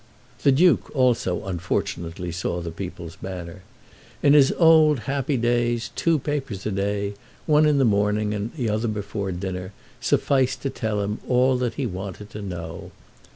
The Duke also unfortunately saw the "People's Banner." In his old happy days two papers a day, one in the morning and the other before dinner, sufficed to tell him all that he wanted to know.